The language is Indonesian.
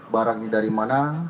barang dari mana